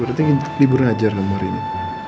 berarti libur ngajar kamu hari ini